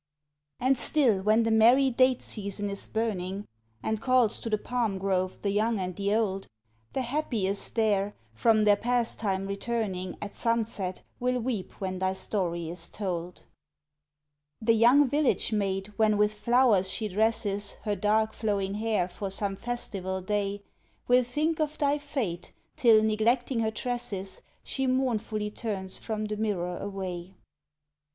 And still, when the merry date season is burning, And calls to the palm grove the young and the old, The happiest there, from their pastime returning At sunset, will weep when thy story is told. The young village maid, when with flowers she dresses Her dark flowing hair for some festival day, Will think of thy fate till, neglecting her tresses, She mournfully turns from the mirror away.